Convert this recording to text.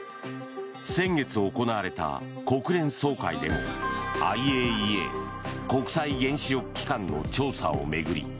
先月行われた国連総会でもＩＡＥＡ・国際原子力機関の調査を巡り